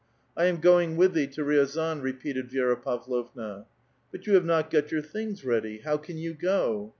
" I am going with thee to Riazan," repeated Vi6ra Pav lovna. " But you have not got your things ready ; how can you go